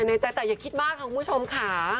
ในใจแต่อย่าคิดมากค่ะคุณผู้ชมค่ะ